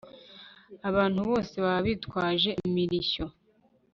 abantu bose baba bitwaje imirishyo